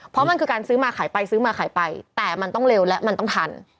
เพราะมันคือการซื้อมาขายไปซื้อมาขายไปแต่มันต้องเร็วและมันต้องทัน